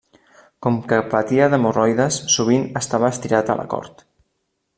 Com que patia d'hemorroides, sovint estava estirat a la cort.